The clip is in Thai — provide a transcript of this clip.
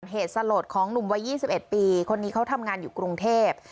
เหตุสลดของหนุ่มวัย๒๑ปีคนนี้เขาทำงานอยู่กรุงเทพ